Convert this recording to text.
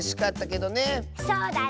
そうだろ？